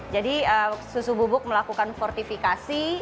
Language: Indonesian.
jadi susu bubuk melakukan fortifikasi